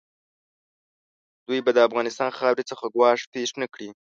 دوی به د افغانستان خاورې څخه ګواښ پېښ نه کړي.